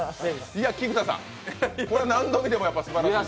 菊田さん、これは何度見てもすばらしい。